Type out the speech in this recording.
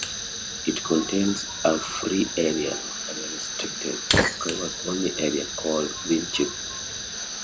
It contains a free area and a restricted, subscribers-only area, called Green Chip.